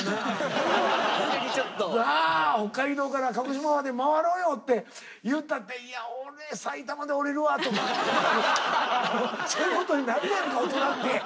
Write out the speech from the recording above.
「北海道から鹿児島まで回ろうよ」って言ったって「俺埼玉で降りるわ」とか。そういうことになるやんか大人って。